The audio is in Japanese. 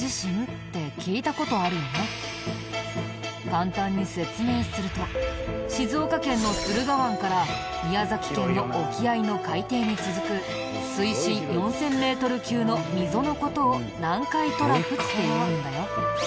簡単に説明すると静岡県の駿河湾から宮崎県の沖合の海底に続く水深４０００メートル級の溝の事を南海トラフっていうんだよ。